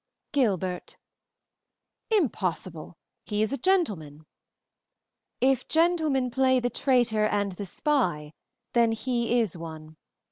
"Gilbert." "Impossible! He is a gentleman." "If gentlemen play the traitor and the spy, then he is one.